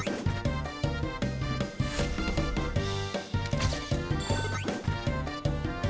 จุดหวัง